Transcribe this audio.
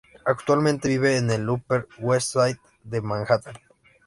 Actualmente vive en el Upper West Side de Manhattan.